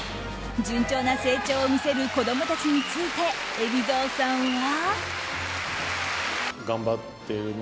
順調な成長を見せる子供たちについて海老蔵さんは。